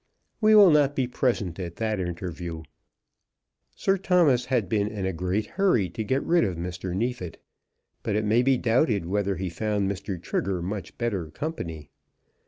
We will not be present at that interview. Sir Thomas had been in a great hurry to get rid of Mr. Neefit, but it may be doubted whether he found Mr. Trigger much better company.